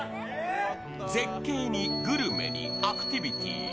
絶景に、グルメに、アクテビティー。